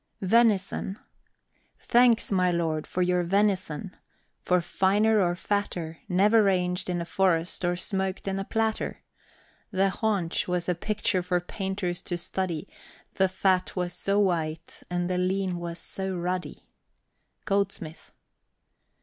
VENISON. Thanks, my lord, for your venison; for finer or fatter Never ranged in a forest or smoked in a platter. The haunch was a picture for painters to study, The fat was so white, and the lean was so ruddy. GOLDSMITH.